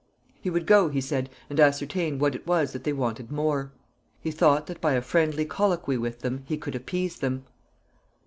He would go, he said, and ascertain what it was that they wanted more. He thought that by a friendly colloquy with them he could appease them.